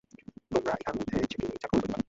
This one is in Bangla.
তোমরা ইহার মধ্যে যেটি ইচ্ছা গ্রহণ করিতে পার।